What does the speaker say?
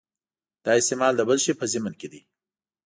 دا استعمال د بل شي په ضمن کې دی.